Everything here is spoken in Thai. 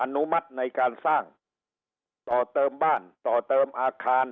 อนุมัติในการสร้างต่อเติมบ้านต่อเติมอาคาร